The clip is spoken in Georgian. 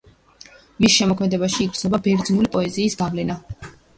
მის შემოქმედებაში იგრძნობა ბერძნული პოეზიის დიდი გავლენა.